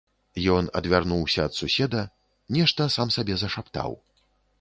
Ён адвярнуўся ад суседа, нешта сам сабе зашаптаў.